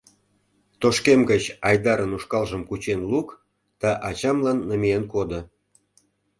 Тошкем гыч Айдарын ушкалжым кучен лук да ачамлан намиен кодо.